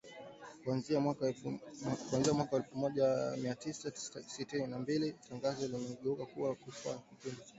Kuanzia mwaka wa elfu moja mia tisa sitini na mbili, matangazo yaligeuzwa na kufanywa kipindi kilichotangazwa moja kwa moja.